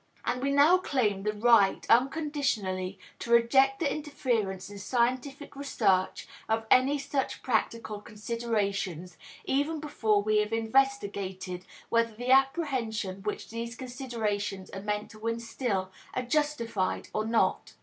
And we now claim the right unconditionally to reject the interference in scientific research of any such practical considerations, even before we have investigated whether the apprehension which these considerations are meant to instil are justified or not.